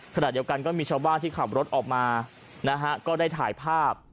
ขณะเดียวกันก็มีชาวบ้านที่ขับรถออกมานะฮะก็ได้ถ่ายภาพ